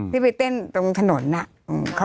ที่ไปเต้นตรงถนนน่ะ